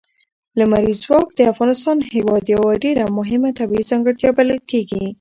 لمریز ځواک د افغانستان هېواد یوه ډېره مهمه طبیعي ځانګړتیا بلل کېږي.